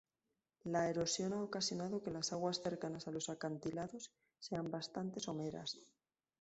La erosión ha ocasionado que las aguas cercanas a los acantilados sean bastante someras.